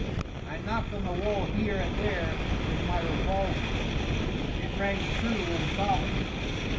I knocked on the wall here and there with my revolver; it rang true and solid.